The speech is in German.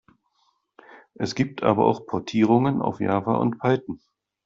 Es gibt aber auch Portierungen auf Java und Python.